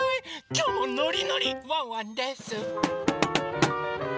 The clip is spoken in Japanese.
きょうもノリノリワンワンです！